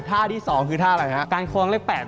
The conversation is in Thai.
ท่าที่๒คือท่าอะไรฮะการคลองเลข๘